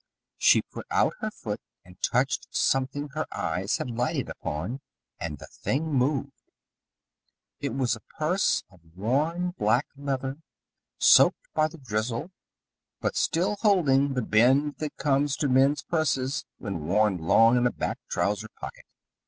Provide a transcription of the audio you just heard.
She put out her foot and touched something her eyes had lighted upon, and the thing moved. It was a purse of worn, black leather, soaked by the drizzle, but still holding the bend that comes to men's purses when worn long in a back trouser pocket.